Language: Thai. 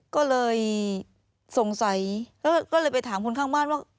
ก็เลยสงสัยก็เลยไปถามคนข้างบ้านว่า